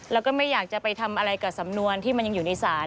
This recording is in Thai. แล้วก็ไม่อยากจะไปทำอะไรกับสำนวนที่มันยังอยู่ในศาล